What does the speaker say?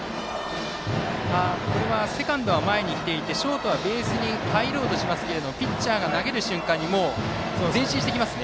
これはセカンドは前に来ていますが、ショートはベースに入ろうとしますがピッチャーが投げる瞬間に前進してきますね。